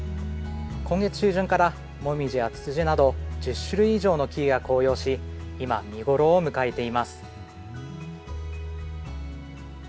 今月中旬からモミジやツツジなど１０種類以上の木々が紅葉し今、見頃を迎えています。